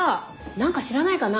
何か知らないかな？